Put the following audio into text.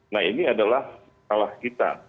nah ini adalah salah kita